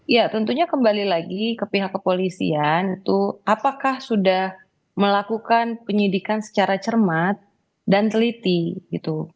ya tentunya kembali lagi ke pihak kepolisian itu apakah sudah melakukan penyidikan secara cermat dan teliti gitu